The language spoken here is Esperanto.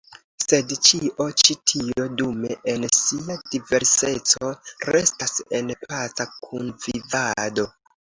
Sed ĉio ĉi tio, dume, en sia diverseco restas en paca kunvivado.